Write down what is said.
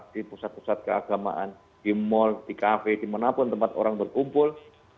di pusat pusat keagamaan di mal di kafe dimanapun tempat orang berkumpul